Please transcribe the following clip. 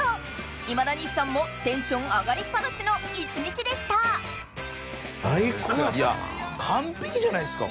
今田兄さんもテンション上がりっ放しの一日でした完璧じゃないですか